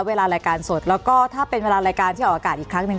เวลารายการสดแล้วก็ถ้าเป็นเวลารายการที่ออกอากาศอีกครั้งหนึ่ง